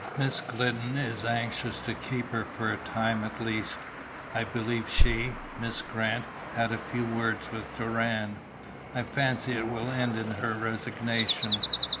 Miss Glidden is anxious to keep her for a time at least. I believe she, Miss Grant, had a few words with Doran. I fancy it will end in her resignation."